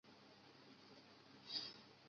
假韧黄芩为唇形科黄芩属下的一个种。